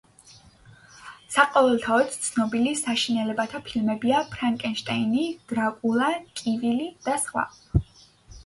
საყოველთაოდ ცნობილი საშინელებათა ფილმებია: „ფრანკენშტეინი“, „დრაკულა“, „კივილი“ და სხვა.